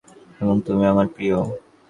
আমিও তোমার এই জগতের অংশ এবং তুমিও আমার প্রিয়।